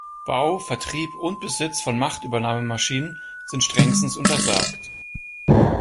Bau, Vertrieb und Besitz von Machtübernahmemaschinen sind strengstens untersagt.